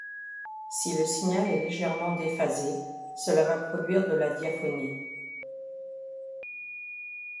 Si le signal est légèrement déphasé, cela va produire de la diaphonie.